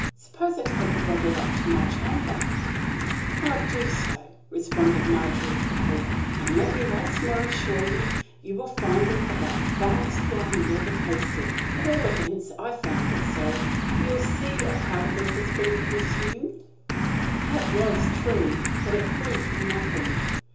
Suppose I take the bottle up to my chamber." "Do so," responded Margery, quickly. "And let me once more assure you, you'll find it about the finest wine you ever tasted. At all events, I found it so. You will see a part of it has been consumed." That was true, but it proved nothing.